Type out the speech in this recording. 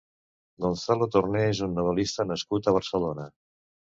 Gonzalo Torné és un novel·lista nascut a Barcelona.